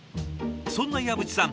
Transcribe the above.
そんな岩渕さん